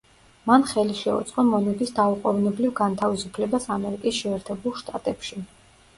მან ხელი შეუწყო მონების „დაუყოვნებლივ განთავისუფლებას“ ამერიკის შეერთებულ შტატებში.